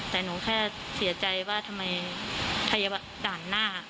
แต่หนูแค่เสียใจว่าทำไมพยาบาลด่านหน้า